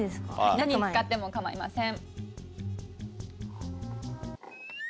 何使っても構いません。